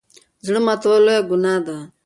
زړه ماتول لويه ګناه ده.